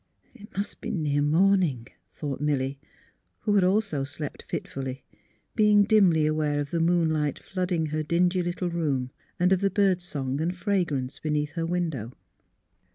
" It must be near morning," thought Milly, who also had slept fitfully, being dimly aware of the moonlight flooding her dingy little room and of the bird song and fragrance beneath her window.